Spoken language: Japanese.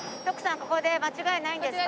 ここで間違いないんですか？